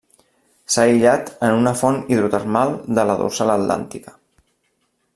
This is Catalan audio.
S'ha aïllat en una font hidrotermal de la Dorsal Atlàntica.